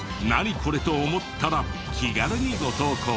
これと思ったら気軽にご投稿を。